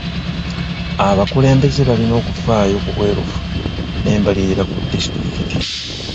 Abakulembeze balina okufaayo ku bwerufu n'embalirira ku disitulikiti.